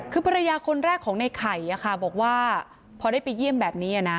คือภรรยาคนแรกของในไข่บอกว่าพอได้ไปเยี่ยมแบบนี้นะ